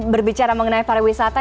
berbicara mengenai pariwisata